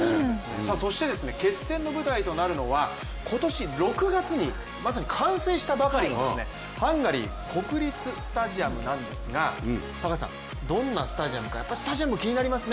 そして決戦の舞台となるのは今年６月にまさに完成したばかりのハンガリー国立スタジアムなんですがどんなスタジアムか、やっぱりスタジアム気になりますね。